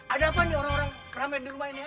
ada apa nih orang orang ramai di rumah ini